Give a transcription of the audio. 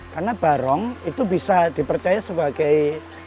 karena barong itu bisa dipercaya sebagai